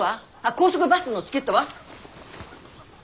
高速バスのチケットは？